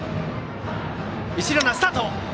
一塁ランナー、スタート！